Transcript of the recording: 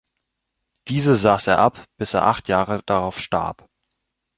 Diese saß er ab, bis er acht Jahre darauf starb.